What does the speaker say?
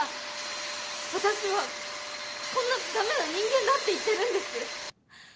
私はこんなダメな人間だって言ってるんです